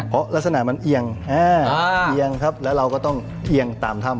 เพราะลักษณะมันเอียงเอียงครับแล้วเราก็ต้องเอียงตามถ้ำ